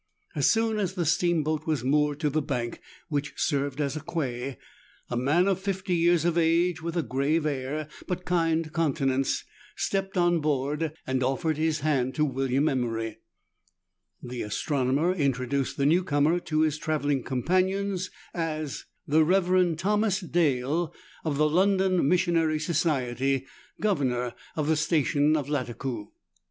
As soon as the steamboat was moored to the bank which served as a quay, a man of fifty years of age, with a grave air but kind countenance, stepped on board, and offered his hand to William Emery, The astronomer introduced the new comer to his travelling companions, as — "The Rev. Thomas Dale, of the London Missionary Society, Governor of the station of Lattakoo."